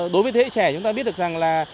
đối với thế hệ trẻ chúng ta biết được rằng là